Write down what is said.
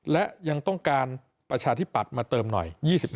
และยังต้องการประชาธิปัตย์มาเติมหน่อย๒๕